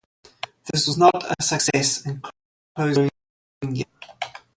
This was not a success and closed the following year.